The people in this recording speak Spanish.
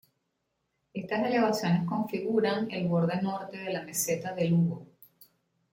Estas elevaciones configuran el borde norte de la meseta de Lugo.